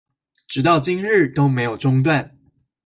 直到今日都沒有中斷